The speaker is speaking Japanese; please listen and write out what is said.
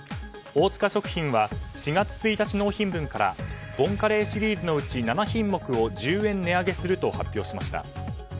大塚食品は４月１日納品分からボンカレーシリーズのうち７品目を１０円値上げすると発表しました。